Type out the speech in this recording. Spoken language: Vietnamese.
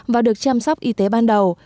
và được chăm sóc y tế ban đầu